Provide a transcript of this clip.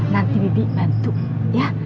nanti bibi bantu ya